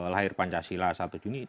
lahir pancasila satu juni